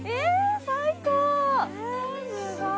すごーい！